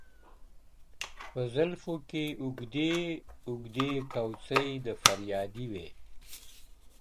o په زلفو کې اوږدې. اوږدې کوڅې د فريادي وې.